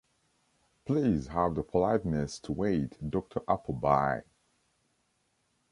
Please have the politeness to wait, Dr. Appleby!